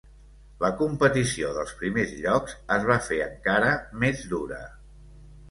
La competició pels primers llocs es va fer encara més dura.